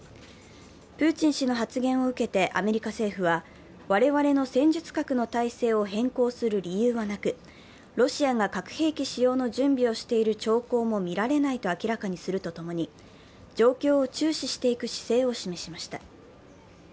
プーチン氏の発言を受けてアメリカ政府は我々の戦術核の体制を変更する理由はなく、ロシアが核兵器使用の準備をしている兆候も見られないと明らかにするとともに、状況を注視していく姿勢を示しました。